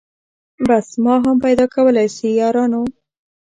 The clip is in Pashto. بس ما هم پیدا کولای سی یارانو